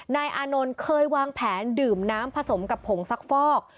นายอานนท์เคยวางแผนดื่มน้ำผสมกับผงซักฟอก